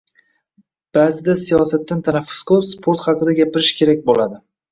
Ba'zida siyosatdan tanaffus qilib, sport haqida gapirish kerak bo'ladi